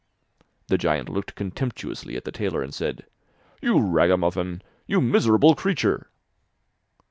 The giant looked contemptuously at the tailor, and said: 'You ragamuffin! You miserable creature!